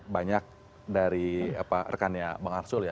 banyak dari rekannya bang arsul ya